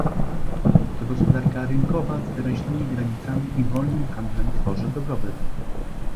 To gospodarka rynkowa z wyraźnymi granicami i wolnym handlem tworzy dobrobyt